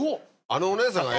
あのお姉さんが。